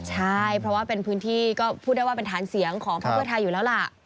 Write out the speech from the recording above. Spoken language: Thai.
ใช่เพราะว่าเป็นพื้นที่ก็พูดได้ว่าเป็นฐานเสียงของพักเพื่อไทยอยู่แล้วล่ะ